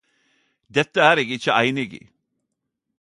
Dette er eg ikkje einig i.